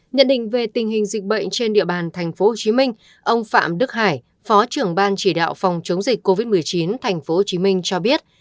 nhận định về tình hình dịch bệnh trên địa bàn tp hcm ông phạm đức hải phó trưởng ban chỉ đạo phòng chống dịch covid một mươi chín tp hcm cho biết